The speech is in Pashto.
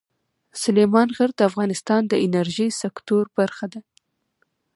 سلیمان غر د افغانستان د انرژۍ سکتور برخه ده.